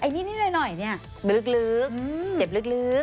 ไอ้นิดหน่อยเนี่ยลึกเจ็บลึก